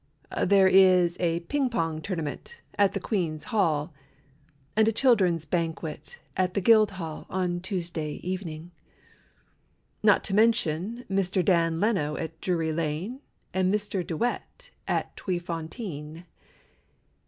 There is a ping pong tournament at the Queen's Hall And a children's banquet At the Guildhall on Tuesday evening; Not to mention Mr. Dan Leno at Drury Lane And Mr. De Wet at the Tweefontein.